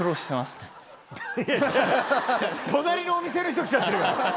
隣のお店の人来ちゃってるから！